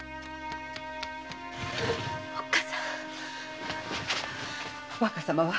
おっ母さん若様は？